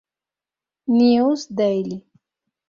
News Daily.